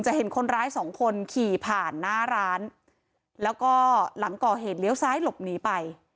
เห็นคนร้ายสองคนขี่ผ่านหน้าร้านแล้วก็หลังก่อเหตุเลี้ยวซ้ายหลบหนีไป